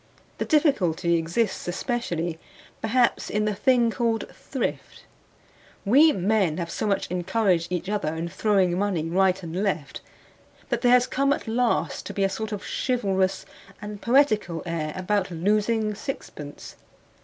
The difficulty exists especially, perhaps, in the thing called thrift; we men have so much encouraged each other in throwing money right and left, that there has come at last to be a sort of chivalrous and poetical air about losing sixpence.